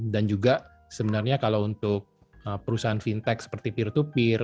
dan juga sebenarnya kalau untuk perusahaan fintech seperti peer to peer